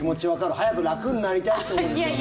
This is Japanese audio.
早く楽になりたいってことですよね。